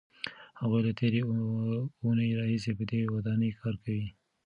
هغوی له تېرې اوونۍ راهیسې په دې ودانۍ کار کوي.